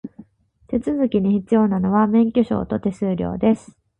手続きに必要なのは、免許証と手数料です。